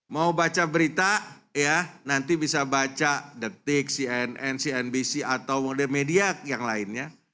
mau baca berita ya nanti bisa baca detik cnn cnbc atau model media yang lainnya